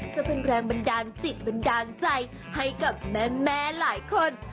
จะเป็นแรงบันดาลจิตบันดาลใจให้กับแม่หลายคน